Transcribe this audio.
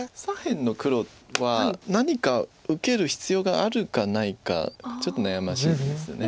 左辺の黒は何か受ける必要があるかないかちょっと悩ましいです。